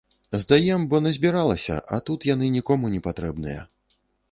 Здаем, бо назбіралася, а тут яны нікому непатрэбныя.